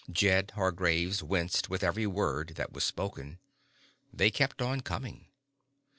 Jed Hargraves winced with every word that was spoken. They kept on coming.